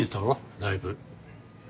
ライブ。